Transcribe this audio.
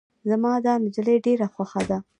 زما دا نجلی ډیره خوښه ده.